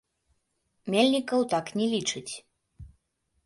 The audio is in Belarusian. Мельнікаў так не лічыць.